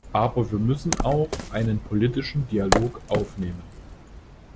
Aber wir müssen auch einen politischen Dialog aufnehmen.